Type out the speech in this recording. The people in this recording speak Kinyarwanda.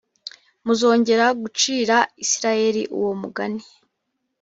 muzongera gucira isirayeli uwo mugani